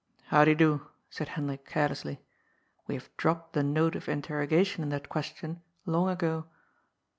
"How de do," said Hendrik carelessly. We have dropped the note of interrogation in that question long ago.